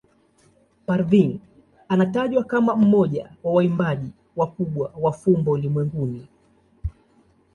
Parveen anatajwa kama mmoja wa waimbaji wakubwa wa fumbo ulimwenguni.